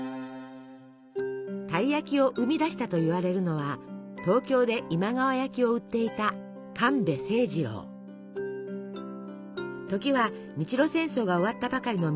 たい焼きを生み出したといわれるのは東京で今川焼きを売っていた時は日露戦争が終わったばかりの明治時代。